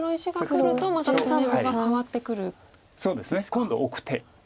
今度オク手。